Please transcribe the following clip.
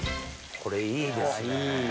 これいいですね。